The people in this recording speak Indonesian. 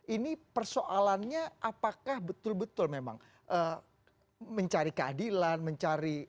ini persoalannya apakah betul betul memang mencari keadilan mencari